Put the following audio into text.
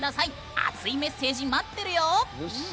熱いメッセージ、待ってるよ！